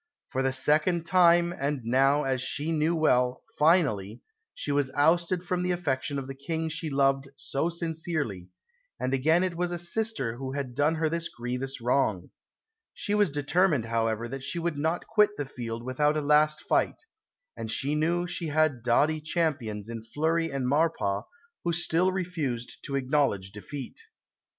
For the second time, and now, as she knew well, finally, she was ousted from the affection of the King she loved so sincerely; and again it was a sister who had done her this grievous wrong. She was determined, however, that she would not quit the field without a last fight, and she knew she had doughty champions in Fleury and Maurepas, who still refused to acknowledge defeat.